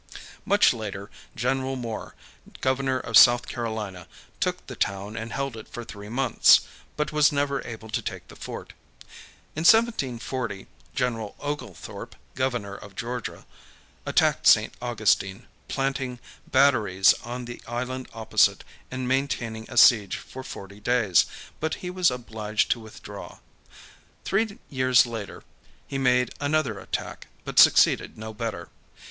Much later, General Moore, Governor of South Carolina, took the town and held it for three months, but was never able to take the fort. In 1740 General Oglethorpe, Governor of Georgia, attacked St. Augustine, planting batteries on the island opposite, and maintaining a siege for forty days; but he was obliged to withdraw. Three years later he made another attack, but succeeded no better.